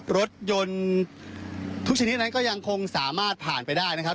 รถยนต์ทุกชนิดนั้นก็ยังคงสามารถผ่านไปได้นะครับ